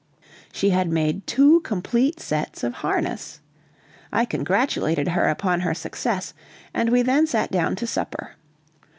She had made two complete sets of harness. I congratulated her upon her success, and we then sat down to supper.